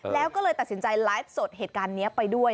แล้วก็เลยตัดสินใจไลฟ์สดเหตุการณ์นี้ไปด้วย